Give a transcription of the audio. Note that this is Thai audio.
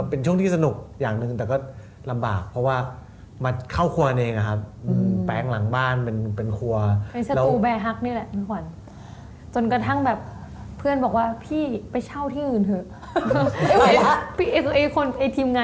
เป็นช่วงที่สนุกอย่างนึง